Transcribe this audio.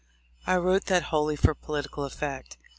I wrote that wholly for political effect.